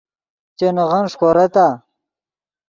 چے نغن ݰیکورتآ؟